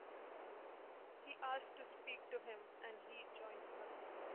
She asks to speak to him and he joins her.